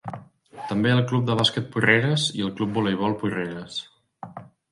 També hi ha el Club de Basquet Porreres i el Club Voleibol Porreres.